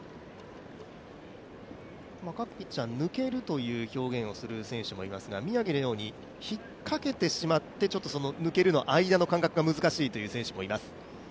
各ピッチャー、抜けるという表現をする投手もいますが宮城のように引っかけてしまって抜けるその間の感覚が難しいという選手もいます。